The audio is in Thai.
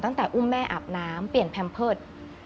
ตั้งแต่อุ้มแม่อาบน้ำเปลี่ยนแพมเพิร์ต